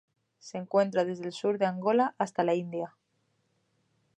Se encuentra desde el sur de Angola hasta la India.